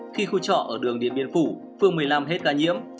khi khu trọ ở đường điện biên phủ phương một mươi năm hết ca nhiễm